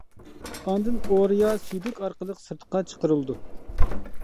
ئاندىن ئورىيا سۈيدۈك ئارقىلىق سىرتقا چىقىرىلىدۇ.